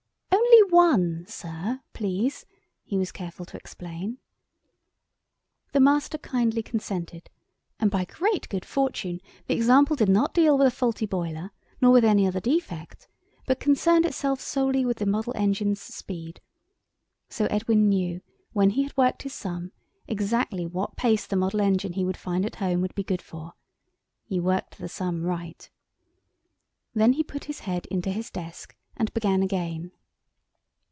"Only one, sir, please," he was careful to explain. The Master kindly consented, and by great good fortune the example did not deal with a faulty boiler, nor with any other defect—but concerned itself solely with the model engine's speed. So Edwin knew, when he had worked his sum, exactly what pace the model engine he would find at home would be good for. He worked the sum right. Then he put his head into his desk and began again.